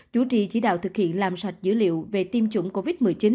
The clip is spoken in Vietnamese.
chủ trì chỉ đạo thực hiện làm sạch dữ liệu về tiêm chủng covid một mươi chín